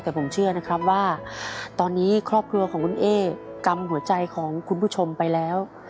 แต่ผมเชื่อนะครับว่าตอนนี้ครอบครัวของคุณเอ๊กำหัวใจของคุณผู้ชมไปแล้ว